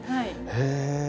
へえ。